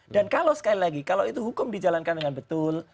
dan kalau sekali lagi kalau itu hukum dijalankan dengan betul